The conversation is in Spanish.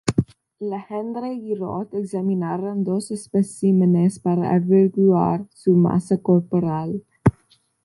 Legendre y Roth examinaron dos especímenes para averiguar su masa corporal.